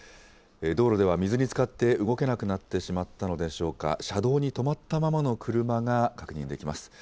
道路では水につかって動けなくなってしまったのでしょうか、車道に止まったままの車が確認できます。